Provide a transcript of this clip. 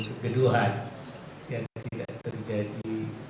kegeduhan yang tidak terjadi